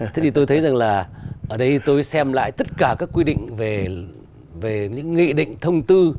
thế thì tôi thấy rằng là ở đây tôi xem lại tất cả các quy định về những nghị định thông tư